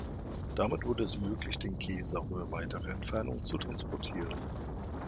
Damit wurde es möglich, den Käse auch über weitere Entfernungen zu transportieren.